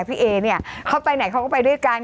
พี่เอเนี่ยเขาไปไหนเขาก็ไปด้วยกัน